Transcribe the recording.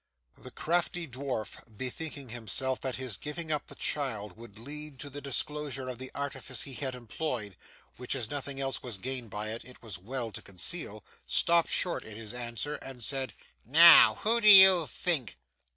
The crafty dwarf, bethinking himself that his giving up the child would lead to the disclosure of the artifice he had employed, which, as nothing was to be gained by it, it was well to conceal, stopped short in his answer and said, 'Now, who do you think?